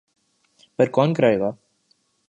پر کون کرائے گا؟